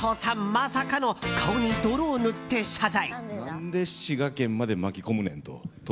まさかの顔に泥を塗って謝罪。